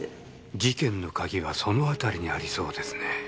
事件の鍵はその辺りにありそうですね。